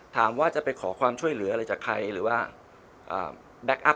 ถามว่าจะไปขอความช่วยเหลืออะไรจากใครหรือว่าแก๊กอัพ